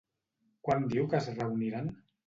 Quan diu que es reuniran?